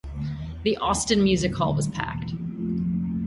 The Austin Music Hall was packed.